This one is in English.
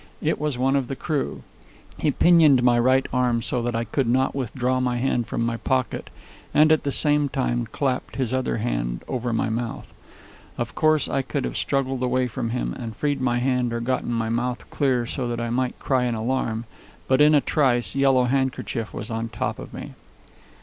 It was one of the crew. He pinioned my right arm so that I could not withdraw my hand from my pocket, and at the same time clapped his other hand over my mouth. Of course, I could have struggled away from him and freed my hand or gotten my mouth clear so that I might cry an alarm, but in a trice Yellow Handkerchief was on top of me.